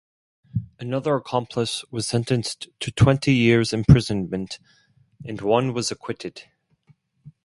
Another accomplice was sentenced to twenty years imprisonment and one was acquitted.